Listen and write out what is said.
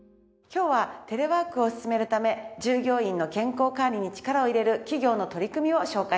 今日はテレワークを進めるため従業員の健康管理に力を入れる企業の取り組みを紹介します。